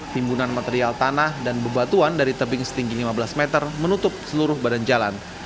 timbunan material tanah dan bebatuan dari tebing setinggi lima belas meter menutup seluruh badan jalan